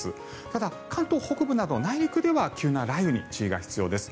ただ、関東北部など内陸では急な雷雨に注意が必要です。